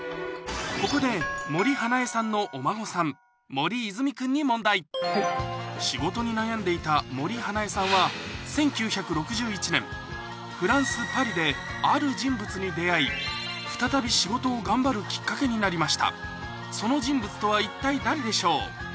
ここで森英恵さんのお孫さん森泉君に問題仕事に悩んでいた森英恵さんは１９６１年フランスパリである人物に出会い再び仕事を頑張るきっかけになりましたその人物とは一体誰でしょう？